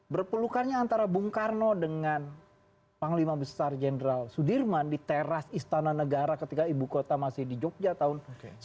berpelukannya antara bung karno dengan panglima besar jenderal sudirman di teras istana negara ketika ibu kota masih di jogja tahun seribu sembilan ratus sembilan puluh